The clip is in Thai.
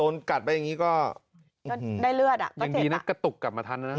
นะครับ